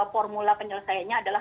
formula penyelesaiannya adalah